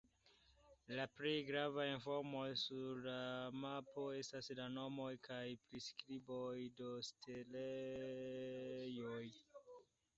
La plej gravaj informoj sur la mapo estas la nomoj kaj priskriboj de setlejoj.